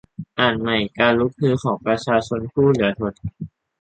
อ่านใหม่ การลุกฮือของประชาชนผู้เหลือทน